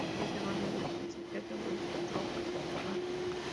Es hermano del psiquiatra Luis Rojas-Marcos.